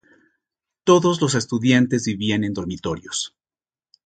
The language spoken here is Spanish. Todos los estudiantes vivían en dormitorios.